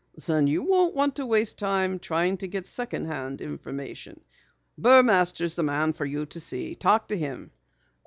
"Then you don't want to waste time trying to get second hand information. Burmaster's the man for you to see. Talk to him."